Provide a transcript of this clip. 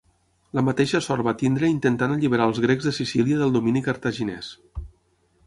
La mateixa sort va tenir intentant alliberar els grecs de Sicília del domini cartaginès.